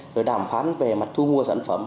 rồi đàm phán về mặt thu mua sản phẩm